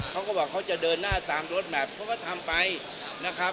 เขาก็บอกเขาจะเดินหน้าตามรถแมพเขาก็ทำไปนะครับ